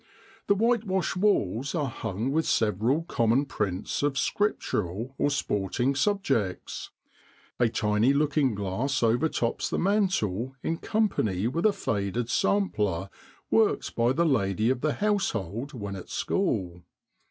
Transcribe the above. The white washed walls are hung with several common prints of Scriptural or sporting sub jects, a tiny looking glass overtops the mantle in company with a faded sampler worked by the lady of the household when at school.